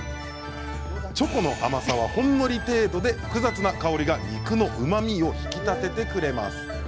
チョコの甘さは、ほんのり程度で複雑な香りが肉のうまみを引き立てます。